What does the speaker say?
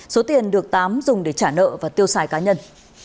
số tiền được tám dùng để trả nợ và tiêu xài cá nhân